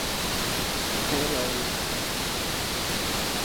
Karl Marx lo describió como el "primer levantamiento obrero en la historia alemana".